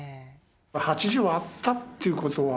８０あったっていうことはあんまり。